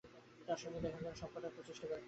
তার সঙ্গে দেখা করার সব কটি প্রচেষ্টা বিফল হয়েছে।